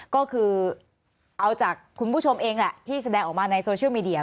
ก็คือเอาจากคุณผู้ชมเองแหละที่แสดงออกมาในโซเชียลมีเดีย